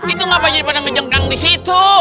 itu ngapain jadi pada ngejengkang di situ